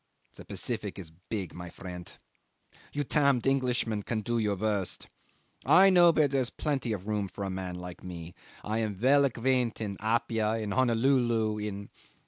the Pacific is big, my friendt. You damned Englishmen can do your worst; I know where there's plenty room for a man like me: I am well aguaindt in Apia, in Honolulu, in